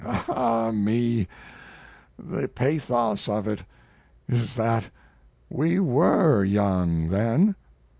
Ah me, the pathos of it is that we were young then.